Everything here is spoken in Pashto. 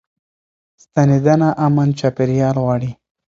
ستنېدنه امن چاپيريال غواړي.